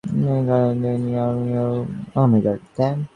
একটা কারণ হচ্ছে, হিন্দুরা আমাকে হিন্দু বলে স্বীকার করে না।